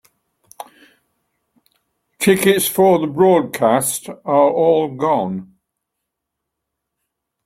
Tickets for the broadcast are all gone.